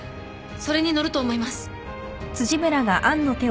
それに乗ると思います